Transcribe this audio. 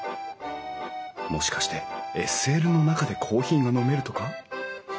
もしかしてＳＬの中でコーヒーが飲めるとか？